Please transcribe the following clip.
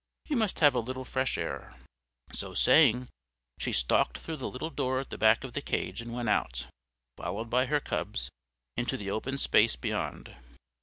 You must have a little fresh air." So saying, she stalked through the little door at the back of the cage and went out, followed by her Cubs, into the open space beyond.